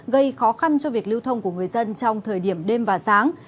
gây khó khăn cho việc lưu thông của người dân trong thời điểm đêm và sáng